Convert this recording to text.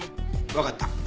わかった。